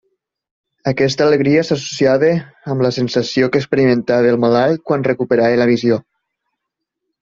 Aquesta alegria s'associava amb la sensació que experimentava el malalt quan recuperava la visió.